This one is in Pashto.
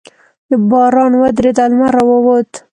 باران ودرېد او لمر راووت.